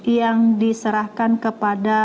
yang diserahkan kepada